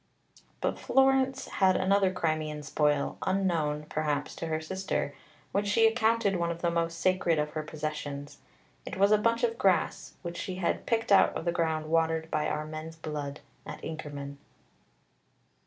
But Florence had another Crimean spoil, unknown, perhaps, to her sister, which she accounted one of the most sacred of her possessions. It was a bunch of grass which she had "picked out of the ground watered by our men's blood at Inkerman."